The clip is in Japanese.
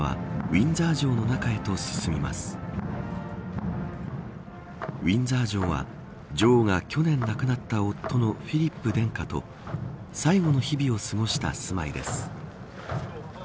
ウィンザー城は女王が、去年亡くなった夫のフィリップ殿下と最後の日々を過ごした住まいです。